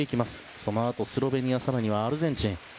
そのあと、スロベニア更にはアルゼンチン。